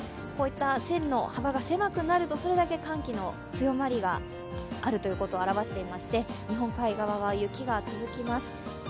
こういった線の幅が狭くなるとそれだけ寒気の強まりが強くなることを表していまして日本海側は雪が続きます。